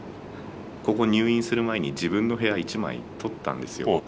ここ入院する前に自分の部屋一枚撮ったんですよ。